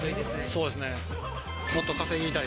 そうですね。